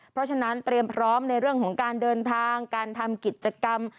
เพราะฉะนั้นเตรียมพร้อมในเรื่องของการเดินทางการทำกิจกรรม